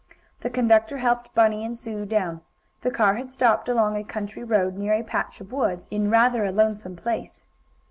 The conductor helped Bunny and Sue down. The car had stopped along a country road, near a patch of woods, in rather a lonesome place.